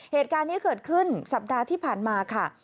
เหตุการณ์นี้เกิดขึ้นสัปดาห์ที่ผ่านมาค่ะ